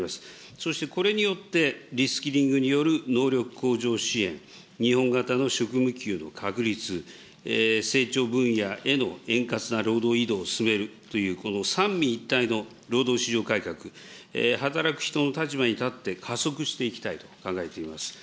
そしてこれによって、リスキリングによる能力向上支援、日本型の職務給の確立、成長分野への円滑な労働移動を進めるという、この三位一体の労働市場改革、働く人の立場に立って加速していきたいと考えています。